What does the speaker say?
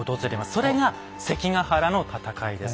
それが関ヶ原の戦いです。